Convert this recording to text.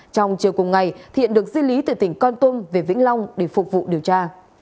trong chiều cùng ngày thiện được di lý từ tỉnh con tum về vĩnh long để phục vụ điều tra